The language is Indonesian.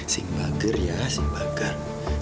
sing bagger ya sing bagger